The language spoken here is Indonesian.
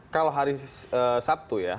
kalau hari sabtu ya